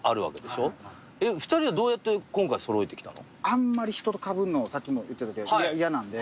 あんまり人とかぶるのさっきも言ってたけど嫌なんで。